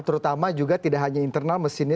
terutama juga tidak hanya internal mesinnya